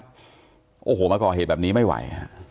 พ่อบอกว่าไฟไหม้ไฟไหม้ร้านจะไก่